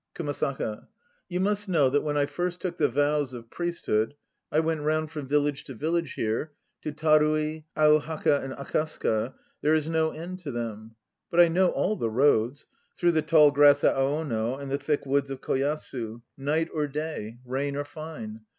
KUMASAKA. You must know that when I first took the vows of priesthood I went round from village to village here, to Tarui, Auhaka and Akasaka there is no end to them, but I know all the roads, through the tall grass at Aono and the thick woods of Koyasu, night or day, rain or fine.